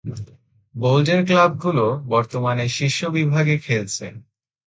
বোল্ডের ক্লাবগুলো বর্তমানে শীর্ষ বিভাগে খেলছে।